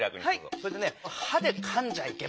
それでねはでかんじゃいけませんね。